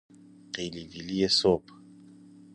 قیلی ویلی صبح